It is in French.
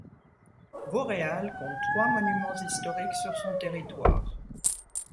Vauréal compte trois monuments historiques sur son territoire.